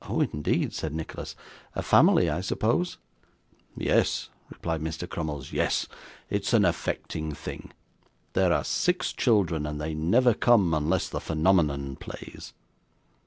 'Oh, indeed!' said Nicholas; 'a family, I suppose?' 'Yes,' replied Mr. Crummles, 'yes. It's an affecting thing. There are six children, and they never come unless the phenomenon plays.